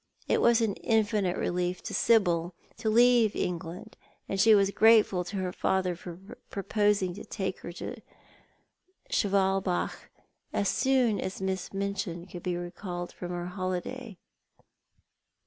It was an infinite relief to Sibyl to leave England, and she was grateful to her father for proposing to take her to Schwalbach as soon as Miss Minchin could be recalled from her holiday.